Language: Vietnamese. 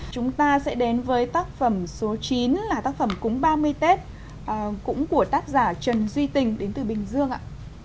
chúng ta sẽ đến với tác phẩm số chín là tác phẩm cúng ba mươi tết cũng của tác giả trần duy tình đến từ bình dương ạ